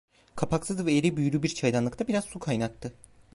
Kapaksız ve eğri büğrü bir çaydanlıkta biraz su kaynattı.